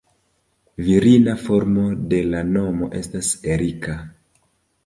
Virina formo de la nomo estas Erika.